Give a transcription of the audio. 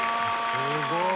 すごい。